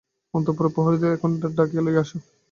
অন্তঃপুরে প্রহরীদের এখনই ডাকিয়া লইয়া এস।